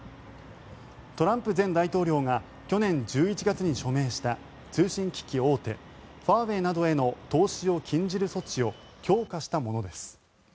トランプ前大統領が去年１１月に署名した通信機器大手ファーウェイなどへの投資を禁じる措置を強化したものです。